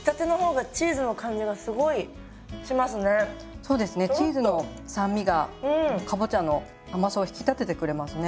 そうですねチーズの酸味がかぼちゃの甘さを引き立ててくれますね。